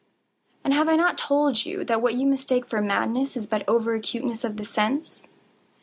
And have I not told you that what you mistake for madness is but over acuteness of the sense?